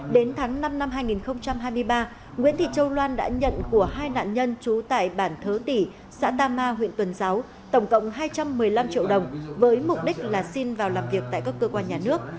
đến tháng năm năm hai nghìn hai mươi ba nguyễn thị châu loan đã nhận của hai nạn nhân trú tại bản thớ tỷ xã tam ma huyện tuần giáo tổng cộng hai trăm một mươi năm triệu đồng với mục đích là xin vào làm việc tại các cơ quan nhà nước